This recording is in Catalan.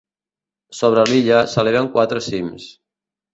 Sobre l'illa s'eleven quatre cims.